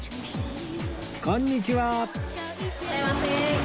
こんにちは